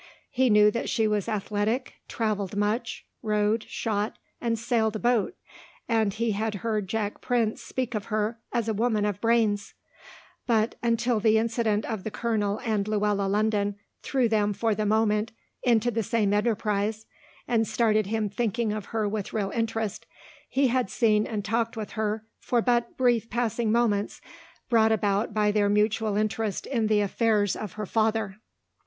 He knew that she was athletic, travelled much, rode, shot, and sailed a boat; and he had heard Jack Prince speak of her as a woman of brains, but, until the incident of the colonel and Luella London threw them for the moment into the same enterprise and started him thinking of her with real interest, he had seen and talked with her for but brief passing moments brought about by their mutual interest in the affairs of her father.